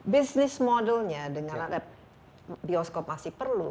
business modelnya dengan agak bioskop masih perlu